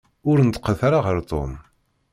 Ur neṭṭqet ara ɣer Tom.